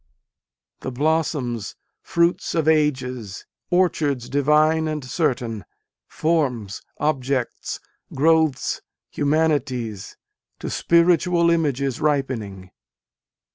The blossoms, fruits of ages, orchards divine and certain, Forms, objects, growths, humanities, to spiritual images ripening.